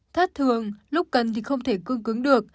thất thường lúc cần thì không thể cương cứng được